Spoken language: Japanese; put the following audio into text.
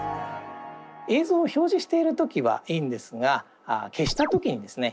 映像を表示している時はいいんですが消したときにですね